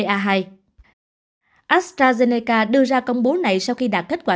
astrazeneca đưa ra công bố này sau khi đạt kết quả